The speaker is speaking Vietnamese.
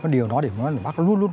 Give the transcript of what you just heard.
điều nói để nói là bác luôn luôn